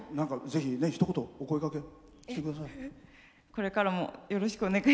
ぜひ、ひと言お声がけしてください。